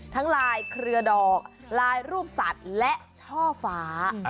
ลายเครือดอกลายรูปสัตว์และช่อฟ้า